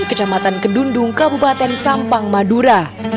kecamatan kedundung kabupaten sampang madura